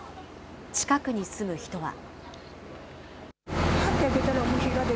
近くに住む人は。